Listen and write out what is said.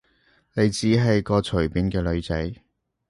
你只係個隨便嘅女仔